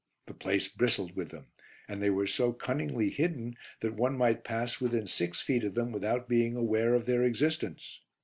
The place bristled with them, and they were so cunningly hidden that one might pass within six feet of them without being aware of their existence.